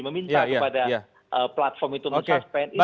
meminta kepada platform itu men suspend